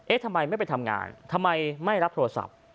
ทำไมไม่ไปทำงานทำไมไม่รับโทรศัพท์